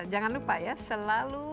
jangan lupa ya selalu